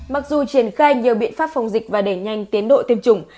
mặc dù triển khai nhiều biện pháp phòng dịch và đẩy nhanh tiến độ tiêm chủng